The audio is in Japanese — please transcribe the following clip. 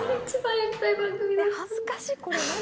恥ずかしいこれ何？